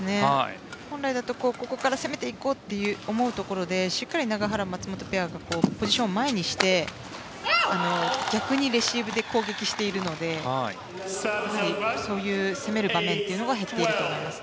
本来だと、ここから攻めていこうと思うところでしっかりと永原、松本ペアがポジションを前にして逆にレシーブで攻撃しているのでそういう攻める場面は減っていると思います。